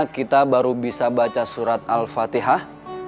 kita baru bisa baca surat al fatihah